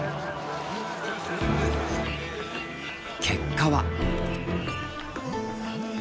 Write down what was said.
結果は。